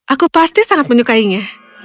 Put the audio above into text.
aku pasti sangat menyukainya